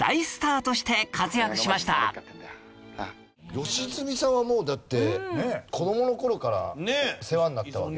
良純さんはもうだって子供の頃から世話になったわけですよね？